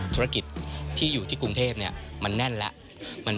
ธุรกิจที่อยู่ที่กรุงเทพมันแน่นแล้ว